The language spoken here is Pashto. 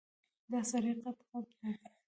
دا سړی غټ قد لري.